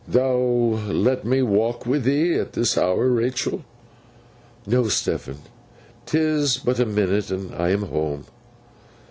'Thou'lt let me walk wi' thee at this hour, Rachael?' 'No, Stephen. 'Tis but a minute, and I'm home.